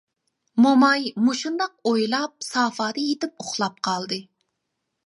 موماي مۇشۇنداق ئويلاپ سافادا يىتىپ ئۇخلاپ قالدى.